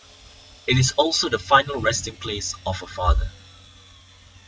It is also the final resting place of her father.